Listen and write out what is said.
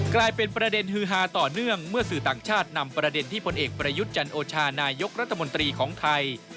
กลายเป็นประเด็นฮือฮาต่อเนื่องเมื่อสื่อต่างชาตินำประเด็นที่พลเอกประยุทธ์จันโอชานายกรัฐมนตรีของไทย